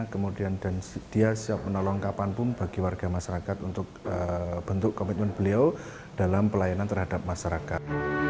kemudian dan dia siap menolong kapanpun bagi warga masyarakat untuk bentuk komitmen beliau dalam pelayanan terhadap masyarakat